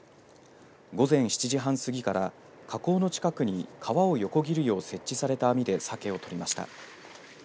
午前７時半過ぎから河口の近くに川を横切るよう設置された網でさけを取りました。